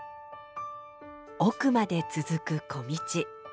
奥まで続く小道。